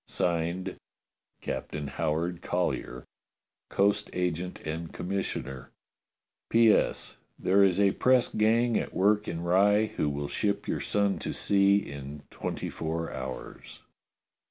[Signed] "Captain Howard Collyer, "Coast Agent and Commissioner. "P.S. There is a press gang at work in Rye who will ship your son to sea in twenty four hours."